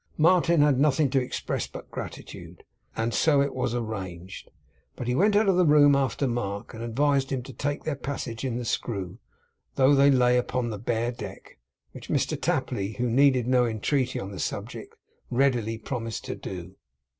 Martin had nothing to express but gratitude, and so it was arranged. But he went out of the room after Mark, and advised him to take their passage in the Screw, though they lay upon the bare deck; which Mr Tapley, who needed no entreaty on the subject readily promised to do.